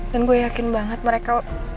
dan gue yakin banget mereka